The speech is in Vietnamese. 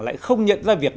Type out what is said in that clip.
lại không nhận ra việc